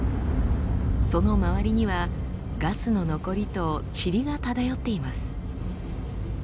その周りにはガスの残りとチリが漂っています。